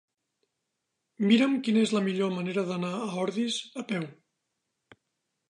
Mira'm quina és la millor manera d'anar a Ordis a peu.